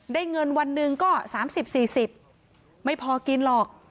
ได้เงินวันหนึ่งก็สามสิบสี่สิบไม่พอกินหรอก